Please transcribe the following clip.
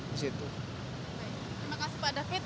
terima kasih pak david